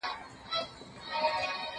زه پرون درسونه ولوستل،